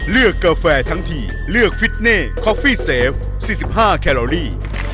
กาแฟทั้งทีเลือกฟิตเน่คอฟฟี่เซฟ๔๕แคลอรี่